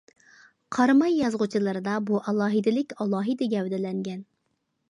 قاراماي يازغۇچىلىرىدا بۇ ئالاھىدىلىك ئالاھىدە گەۋدىلەنگەن.